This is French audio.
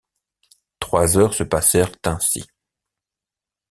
Trois heures se passèrent ainsi.